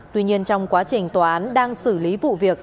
tuy nhiên trong quá trình tòa án đang xử lý vụ việc